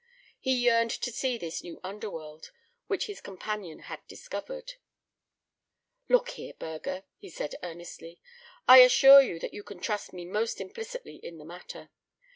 He yearned to see this new underworld which his companion had discovered. "Look here, Burger," said he, earnestly, "I assure you that you can trust me most implicitly in the matter.